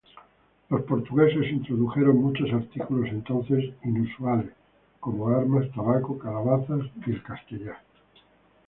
Los portugueses introdujeron muchos artículos entonces inusuales, como armas, tabaco, calabazas y el "castella".